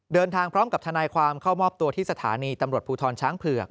พร้อมกับทนายความเข้ามอบตัวที่สถานีตำรวจภูทรช้างเผือก